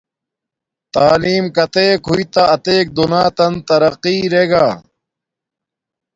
تعلیم کاتیک ہوݵ تا آتیک دوناتن ترقی ارے گا